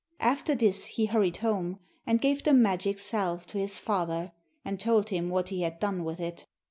After this he hurried home and gave the magic salve to his father, and told him what he had done with it.